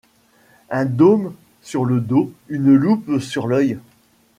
Un dôme sur le dos, une loupe sur l’œil